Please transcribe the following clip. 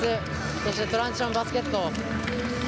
そしてトランジションバスケット